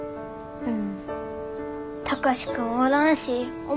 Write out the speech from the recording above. うん。